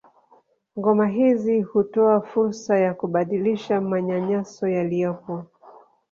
Ngoma hizi hutoa fursa ya kubadilisha manyanyaso yaliyopo